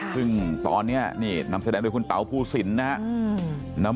ซึ่งตอนนี้นี่นำแสดงโดยคุณเตาพูศิลป์นะคะ